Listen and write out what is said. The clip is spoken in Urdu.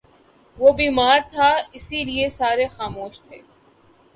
وہ بیمار تھا، اسی لئیے سارے خاموش تھے